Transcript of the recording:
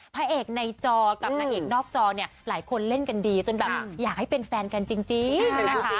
พระเอกในจอกับนางเอกนอกจอเนี่ยหลายคนเล่นกันดีจนแบบอยากให้เป็นแฟนกันจริงนะคะ